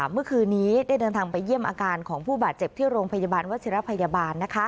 เมื่อคืนนี้ได้เดินทางไปเยี่ยมอาการของผู้บาดเจ็บที่โรงพยาบาลวัชิรพยาบาล